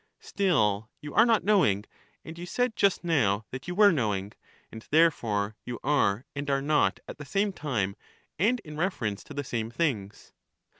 Still you are not knowing, and you said just now that you were knowing; and therefore you are and are not at the same time, and in reference to the same things.